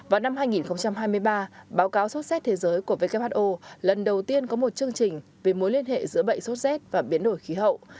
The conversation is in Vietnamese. vào năm hai nghìn hai mươi ba báo cáo sốt xét thế giới của who lần đầu tiên có một chương trình về mối liên hệ giữa bệnh sốt rét và biến đổi khí hậu